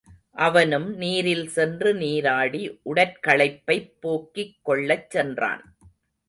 அவனும் நீரில் சென்று நீராடி உடற்களைப்பைப் போக்கிக் கொள்ளச் சென்றான்.